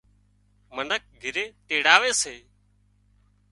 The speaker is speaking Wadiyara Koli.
منک گھِري تيڙاوي سي